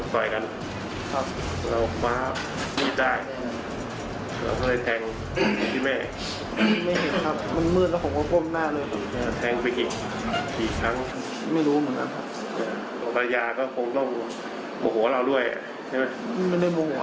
แต่โมหัวที่เรียกแม่เขานี่หรือครับ